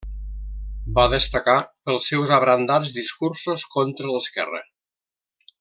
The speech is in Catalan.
Va destacar pels seus abrandats discursos contra l'esquerra.